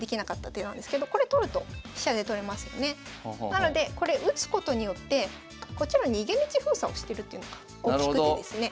なのでこれ打つことによってこっちの逃げ道封鎖をしてるというのが大きくてですね。